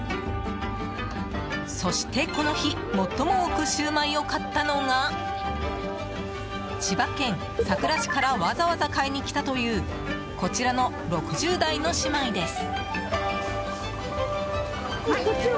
そして、この日最も多くシューマイを買ったのが千葉県佐倉市からわざわざ買いに来たというこちらの６０代の姉妹です。